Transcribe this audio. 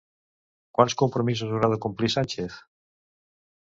Quants compromisos haurà de complir Sánchez?